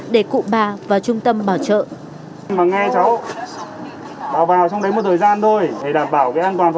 để cụ bà vào trung tâm bảo trợ